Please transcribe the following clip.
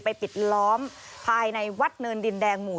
ปิดล้อมภายในวัดเนินดินแดงหมู่